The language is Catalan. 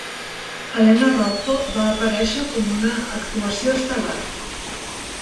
Helena Rojo va aparèixer com una actuació estel·lar.